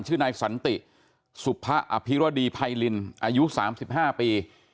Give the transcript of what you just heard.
ชื่อนายสันติสุภะอภิรดีไพรินอายุ๓๕ปี